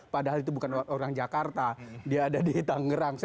padahal itu bukan orang jakarta dia ada di tangerang